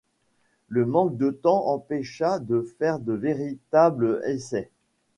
Le manque de temps empêcha de faire de véritables essais.